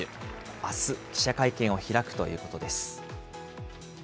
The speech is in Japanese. あす、記者会見を開くということです。